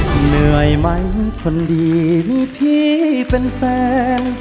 เหนื่อยไหมคนดีมีพี่เป็นแฟน